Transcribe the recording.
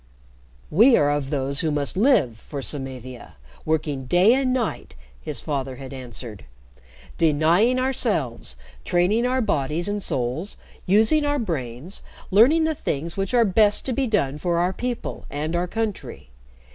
"We are of those who must live for Samavia working day and night," his father had answered; "denying ourselves, training our bodies and souls, using our brains, learning the things which are best to be done for our people and our country.